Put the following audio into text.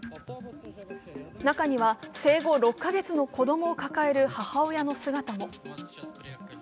中には、生後６カ月の子供を抱える母親の姿も。